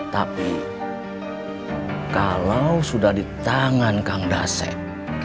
tapi kalau sudah di tangan kang dasep